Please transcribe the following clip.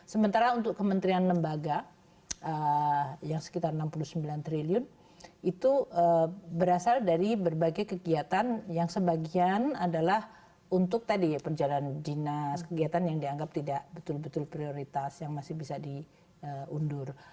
sementara untuk kementerian lembaga yang sekitar enam puluh sembilan triliun itu berasal dari berbagai kegiatan yang sebagian adalah untuk tadi ya perjalanan dinas kegiatan yang dianggap tidak betul betul prioritas yang masih bisa diundur